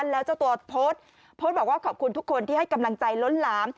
แล้วเจ้าตัวโพสต์โพสต์บอกว่าขอบคุณทุกคนที่ให้กำลังใจล้นหลาม